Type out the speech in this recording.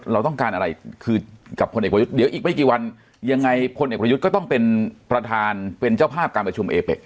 เราต้องการอะไรคือกับพลเอกประยุทธ์เดี๋ยวอีกไม่กี่วันยังไงพลเอกประยุทธ์ก็ต้องเป็นประธานเป็นเจ้าภาพการประชุมเอเป็ก